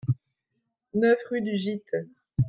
neuf rue du Gite